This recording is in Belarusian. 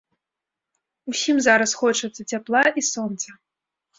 Усім зараз хочацца цяпла і сонца.